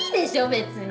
別に。